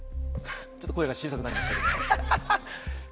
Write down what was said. ちょっと声が小さくなりました。